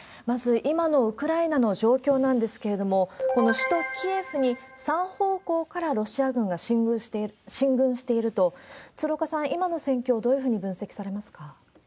まず、今のウクライナの状況なんですけれども、この首都キエフに３方向からロシア軍が進軍していると、鶴岡さん、今の戦況、どういうふうに分析されますか？